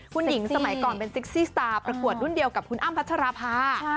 คุณหญิงสมัยก่อนเป็นเซ็กซี่สตาร์ประกวดรุ่นเดียวกับคุณอ้ำพัชราภา